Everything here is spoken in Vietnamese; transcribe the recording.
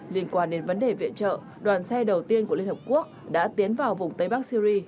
liên quan đến vấn đề viện trợ đoàn xe đầu tiên của liên hợp quốc đã tiến vào vùng tây bắc syri